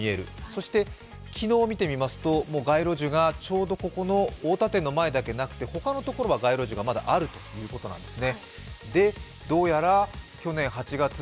そして昨日見てみますと、街路樹がちょうどこの太田店の前だけなくて、他のところは街路樹がまだあるということです。